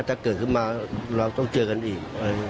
ถ้าเกิดขึ้นมาเราต้องเจอกันอีก